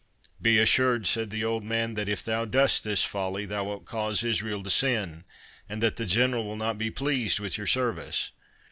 "Be assured," said the old man, "that if thou dost this folly, thou wilt cause Israel to sin, and that the General will not be pleased with your service.